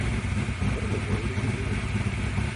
What in the world are you doing?